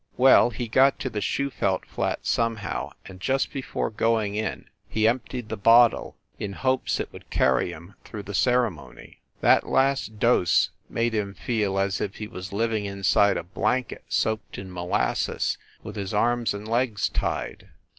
Well, he got to the Schufelt flat, somehow, and just before going in, he emptied the bottle in hopes it would carry him through the ceremony. That last dose made him feel as if he was living inside a blanket soaked in molasses, with his arms and legs tied.